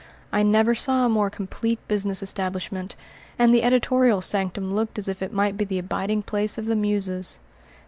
I never saw a more complete business establishment, and the editorial sanctum looked as if it might be the abiding place of the Muses.